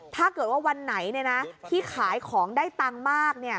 ถ้าเกิดว่าวันไหนที่ขายของได้ตังค์มาก